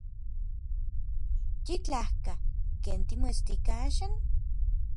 Yitlajka. ¿Ken timoestika axan?